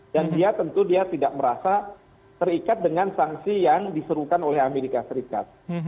dan dia tentu dia tidak merasa terikat dengan sanksi yang disuruhkan oleh amerika serikat